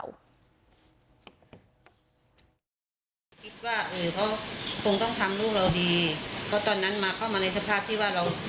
คิดว่าเออเขาคงต้องทำลูกเราดีเพราะตอนนั้นมาเข้ามาในสภาพที่ว่าเรา